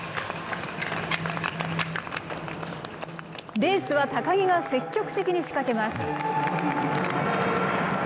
レースは高木が積極的に仕掛けます。